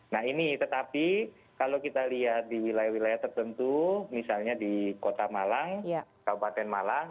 nah ini tetapi kalau kita lihat di wilayah wilayah tertentu misalnya di kota malang kabupaten malang